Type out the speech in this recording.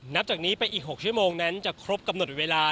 นับจากนี้ไปอีก๖ชั่วโมงนั้นจะครบกำหนดเวลา